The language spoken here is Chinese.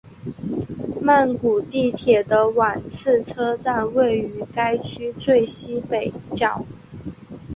曼谷地铁的挽赐车站位于该区最西北角。